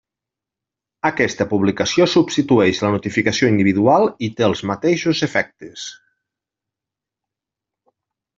Aquesta publicació substitueix la notificació individual i té els mateixos efectes.